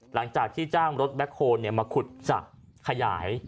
หลังจากที่จ้างรถแบ็คโฮลมาขุดสระขยาย